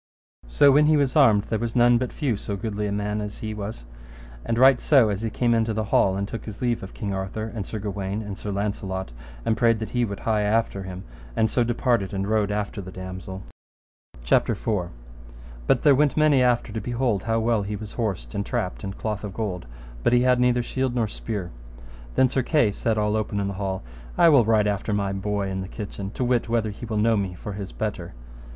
So when he was armed there was none but few so goodly a man as he was; and right so as he came into the hall and took his leave of King Arthur, and Sir Gawaine, and Sir Launcelot, and prayed that he would hie after him, and so departed and rode after the damosel. CHAPTER IV. How Beaumains departed, and how he gat of Sir Kay a spear and a shield, and how he jousted with Sir Launcelot. But there went many after to behold how well he was horsed and trapped in cloth of gold, but he had neither shield nor spear. Then Sir Kay said all open in the hall, I will ride after my boy in the kitchen, to wit whether he will know me for his better.